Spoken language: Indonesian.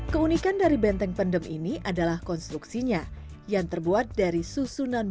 keunikan dari benteng pendem ini adalah konstruksinya yang terbuat dari susunan batu dan benteng